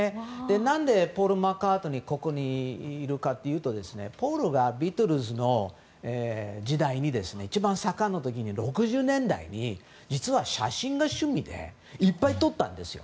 何で、ポール・マッカートニーがここにいるかというとポールがビートルズの時代に一番盛んな時６０年代に実は写真が趣味でいっぱい撮ったんですよ。